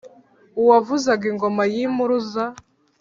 Uwavuzaga ingoma y'Impuruza